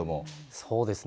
そうですね。